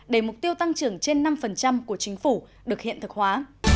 để mục tiêu tăng trưởng trên năm của chính phủ được hiện thực hóa